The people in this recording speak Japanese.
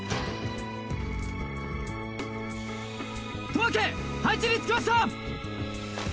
十朱配置に着きました。